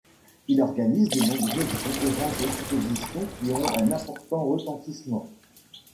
Il organise de nombreuses conférences et expositions qui ont un important retentissement.